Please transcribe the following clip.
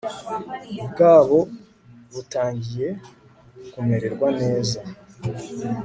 bwabo butangiye kumererwa neza